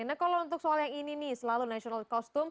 nah kalau untuk soal yang ini nih selalu national costum